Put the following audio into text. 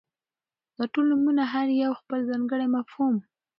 داټول نومونه هر يو خپل ځانګړى مفهوم ،